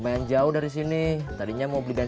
bisa ajaanya karisse aning gini jenis inventory as well